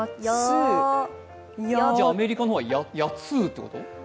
じゃあ、アメリカの方はヤツーってこと？